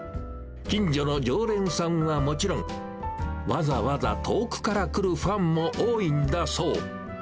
近所の常連さんはもちろん、わざわざ遠くから来るファンも多いんだそう。